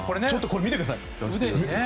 これ見てください。